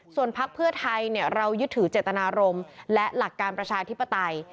ส่วนพักเพื่อไทยเรายึดถือเจตนารมณ์และหลักการประชาธิปไตย